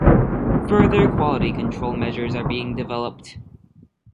Further quality control measures are being developed.